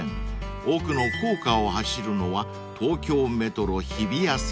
［奥の高架を走るのは東京メトロ日比谷線］